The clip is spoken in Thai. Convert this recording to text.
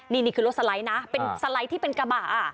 นี่คือรถสไลด์นะเป็นสไลด์ที่เป็นกระบะ